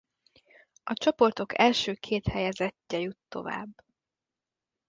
A csoportok első két helyezettje jut tovább.